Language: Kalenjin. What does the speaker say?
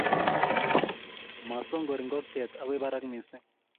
Masongori ngokiet agoi parak mising